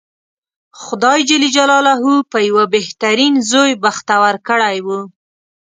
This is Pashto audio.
خدای په یوه بهترین زوی بختور کړی و.